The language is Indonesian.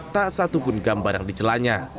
tak satupun gambar yang dicelanya